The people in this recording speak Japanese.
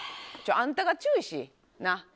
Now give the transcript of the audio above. あんたが注意しい！